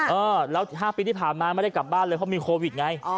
เออแล้ว๕ปีที่ผ่านมาไม่ได้กลับบ้านเลยเพราะมีโควิดไง